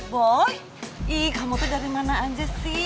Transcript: boy ih kamu tuh dari mana aja sih